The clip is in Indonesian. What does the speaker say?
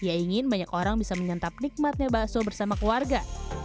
ia ingin banyak orang bisa menyantap nikmatnya bakso bersama keluarga